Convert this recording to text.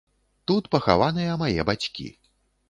Тут пахаваныя мае бацькі.